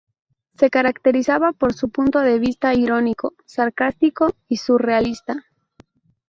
Se caracterizaba por su punto de vista irónico, sarcástico y surrealista.